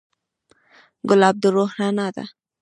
ګلاب د روح رڼا ده.